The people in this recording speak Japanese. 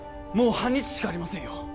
もう半日しかありませんよ